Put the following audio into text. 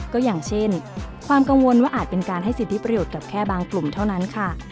ก็อย่างเช่นความกังวลว่าอาจเป็นการให้สิทธิประโยชน์กับแค่บางกลุ่มเท่านั้นค่ะ